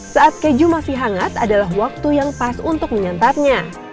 saat keju masih hangat adalah waktu yang pas untuk menyantapnya